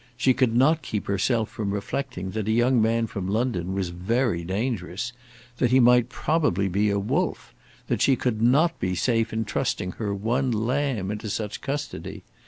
She could not keep herself from reflecting that a young man from London was very dangerous; that he might probably be a wolf; that she could not be safe in trusting her one lamb into such custody.